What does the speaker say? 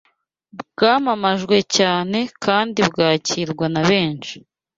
bwamamajwe cyane kandi bwakirwa na benshi